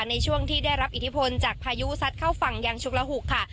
ในช่วงที่ได้รับอิทธิพลจากพายุซัดเข้าฝั่งอย่างชุกระหุกค่ะ